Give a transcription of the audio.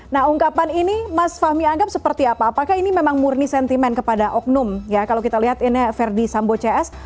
nah ungkapan ini mas fahmi anggap seperti apa apakah ini memang murni sentimen kepada oknum ya kalau kita lihat ini verdi sambo cs